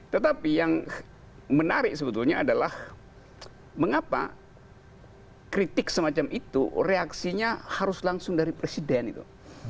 tetapi yang menarik sebetulnya adalah mengapa kritik semacam itu reaksinya harus langsung dari presiden itu